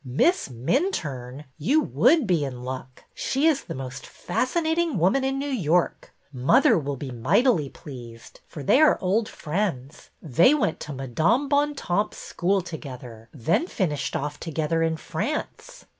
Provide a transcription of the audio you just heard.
Miss Minturne ! You would be in luck. She is the most fascinating woman in New York. Mother will be mightily pleased, for they are old friends. They went to Madame Bontemps' school together, then finished off together in France."